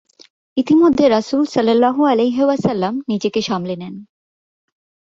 ইতোমধ্যে রাসূল সাল্লাল্লাহু আলাইহি ওয়াসাল্লাম নিজেকে সামলে নেন।